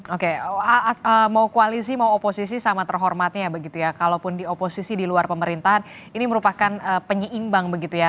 oke mau koalisi mau oposisi sama terhormatnya begitu ya kalaupun di oposisi di luar pemerintahan ini merupakan penyeimbang begitu ya